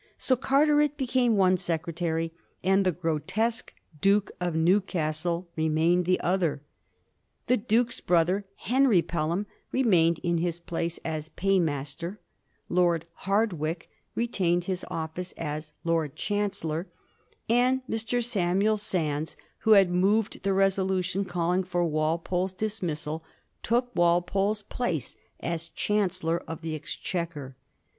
So Carteret became one secretary, and the gro tesque Duke of Newcastle remained the other. The duke^s brother, Henry Pelham, remained in his place as Pay master, Lord Hardwicke retained his office as Lord Chan cellor, and Mr. Samuel Sandys, who had moved the res olution calling for Walpole's dismissal, took Walpole's place as Chancellor of the Exchequer.